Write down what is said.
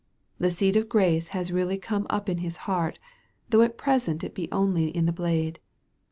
The seed of grace has really come up in his heart, though at present it be only in the blade.